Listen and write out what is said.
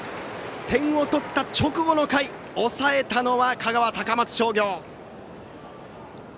点を取った直後の回抑えたのは、香川・高松商業。